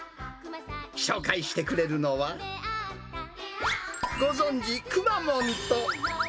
紹介してくれるのは、ご存じ、くまモンと。